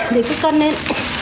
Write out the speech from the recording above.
thì cứ cân lên